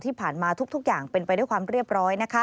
ที่ผ่านมาทุกอย่างเป็นไปด้วยความเรียบร้อยนะคะ